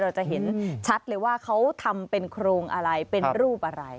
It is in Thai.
เราจะเห็นชัดเลยว่าเขาทำเป็นโครงอะไรเป็นรูปอะไร